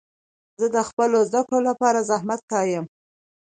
زه د خپلو زده کړو لپاره زحمت کښ یم.